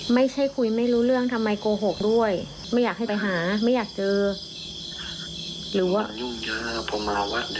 แต่ตอนนี้มันคุยมากไม่ได้เพราะว่ามันอยู่เยอะ